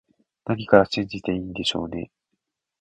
何から信じていいんでしょうね